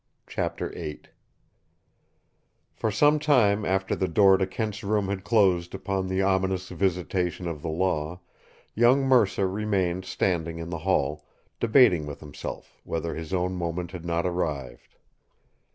CHAPTER VIII For some time after the door to Kent's room had closed upon the ominous visitation of the Law, young Mercer remained standing in the hall, debating with himself whether his own moment had not arrived.